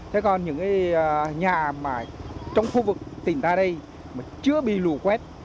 thế còn những nhà trong khu vực tỉnh ta đây mà chưa bị lũ quét